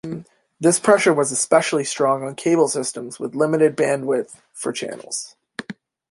This pressure was especially strong on cable systems with limited bandwidth for channels.